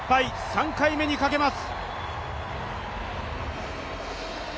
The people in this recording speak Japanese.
３回目にかけます。